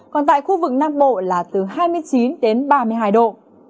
còn tại khu vực nam bộ là từ hai mươi chín đến ba mươi hai độ